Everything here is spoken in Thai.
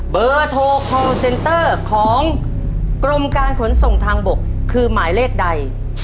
เบอร์โทรคอลเซนเตอร์ของกรมการขนส่งทางบกคือหมายเลขใด